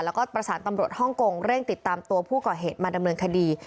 แล้วก็ประสานตำรวจฮ่องกงเร่งติดตามตัวผู้ก่อเหตุมาดำเนินคดี